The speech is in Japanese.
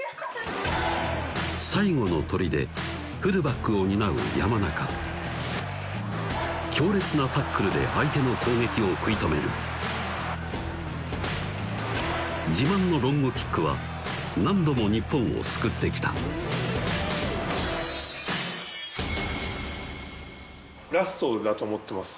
最後の砦・フルバックを担う山中強烈なタックルで相手の攻撃を食い止める自慢のロングキックは何度も日本を救ってきたラストだと思ってます